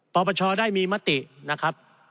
ปปชได้มีมตินะครับ